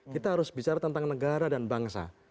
kita harus bicara tentang negara dan bangsa